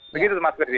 begitu mas geri